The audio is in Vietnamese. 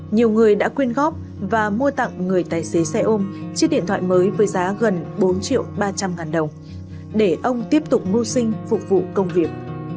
nhiều người đã quyên góp và mua tặng người tài xế xe ôm chiếc điện thoại mới với giá gần bốn triệu ba trăm linh ngàn đồng để ông tiếp tục mưu sinh phục vụ công việc